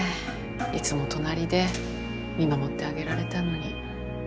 いつも隣で見守ってあげられたのに。